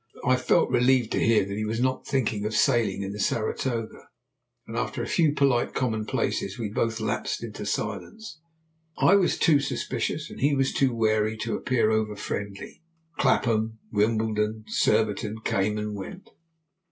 I felt relieved to hear that he was not thinking of sailing in the Saratoga, and after a few polite commonplaces, we both lapsed into silence. I was too suspicious, and he was too wary, to appear over friendly. Clapham, Wimbledon, Surbiton, came and went.